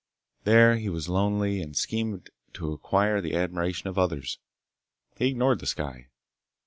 There he was lonely and schemed to acquire the admiration of others. He ignored the sky.